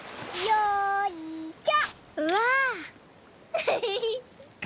よいしょ。